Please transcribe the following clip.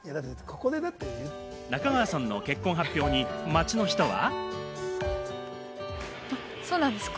中川さんの結婚発表に街の人は。